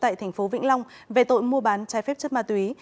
tòa án nhân dân tp vĩnh long mua bán trái phép chất ma túy